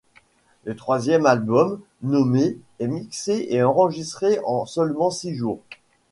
Le troisième album, nommé ', est mixé et enregistré en seulement six jours.